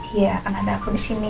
iya kan ada aku di sini